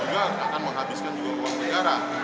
dan juga akan menghabiskan juga uang negara